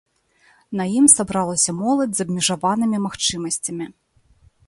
На ім сабралася моладзь з абмежаванымі магчымасцямі.